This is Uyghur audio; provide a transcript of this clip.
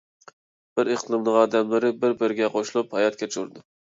بىر ئىقلىمنىڭ ئادەملىرى بىر - بىرىگە قوشۇلۇپ ھايات كەچۈرىدۇ.